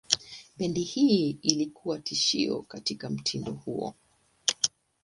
Bendi hii ilikuwa tishio katika mtindo huo.